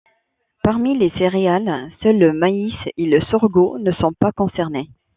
Parmi les céréales, seuls le maïs et le sorgho ne sont pas concernés.